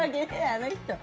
あの人。